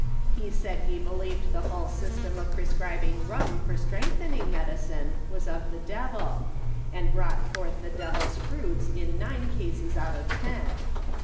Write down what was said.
He said he believed the hull system of prescribing rum for strengthening medicine was of the devil, and brought fortli the devil's fruits in nine cases out of ten.